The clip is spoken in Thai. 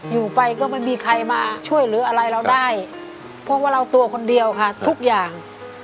อยู่ไปก็ไม่มีใครมาช่วยเหลืออะไรเราได้เพราะว่าเราตัวคนเดียวค่ะทุกอย่าง